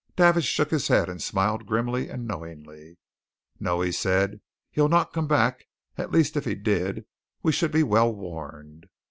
Davidge shook his head and smiled grimly and knowingly. "No," he said. "He'll not come back at least, if he did, we should be well warned.